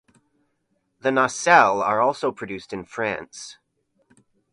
The nacelles are also produced in France.